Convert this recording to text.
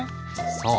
そう。